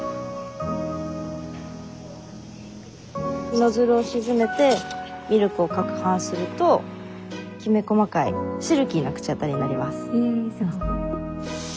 ノズルを沈めてミルクをかくはんするときめ細かいシルキーな口当たりになります。